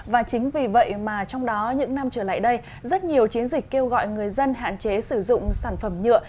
và chính vì vậy mà trong đó những năm trở lại đây rất nhiều chiến dịch kêu gọi người dân hạn chế sử dụng sản phẩm nhựa